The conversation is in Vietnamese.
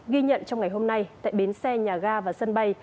ghi nhận trong ngày hôm nay tại bến xe nhà ga và sân bay